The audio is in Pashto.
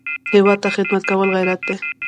هېواد ته خدمت کول غیرت دی